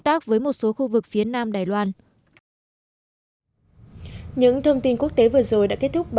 tác với một số khu vực phía nam đài loan những thông tin quốc tế vừa rồi đã kết thúc